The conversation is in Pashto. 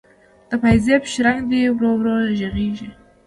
د پایزیب شرنګ دی ورو ورو ږغیږې